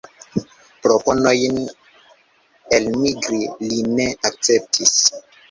Proponojn elmigri li ne akceptis.